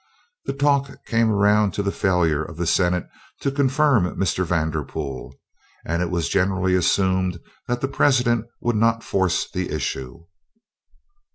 The talk came around to the failure of the Senate to confirm Mr. Vanderpool, and it was generally assumed that the President would not force the issue.